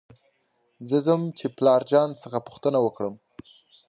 زه ځم چې پلار جان څخه پوښتنه وکړم .